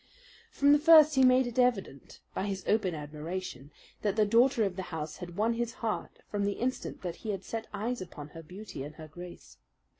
From the first he made it evident, by his open admiration, that the daughter of the house had won his heart from the instant that he had set eyes upon her beauty and her grace.